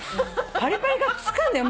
パリパリが付くんだよ